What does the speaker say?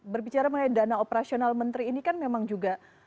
berbicara mengenai dana operasional menteri ini kan memang juga